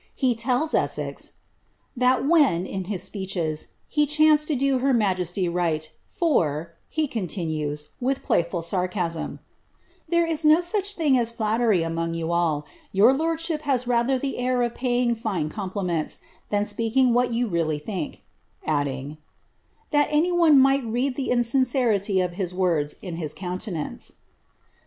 He tells Essex, ^^ that when, in his speeches, he chanced to do her majesty right, for,^' continues he, with playful sar casm, ^ there is no such thing as flattery among you all ; your lordship has rather the air of paying fine compliments, than speaking what you Teaily think ;" adding, ^ that any one might read the insincerity of his words in his countenance."